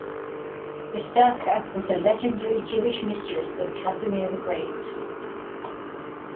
Esterka was a legendary Jewish mistress of Casimir the Great.